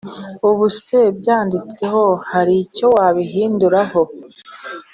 Ubuse mbyanditseho haricyo wabihinduraho